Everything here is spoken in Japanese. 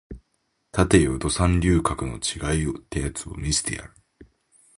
立てよド三流格の違いってやつを見せてやる